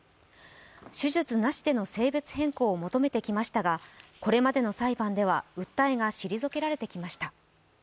手術なしでの性別変更を求めてきましたがこれまでの裁判では、訴えが退けられてきました。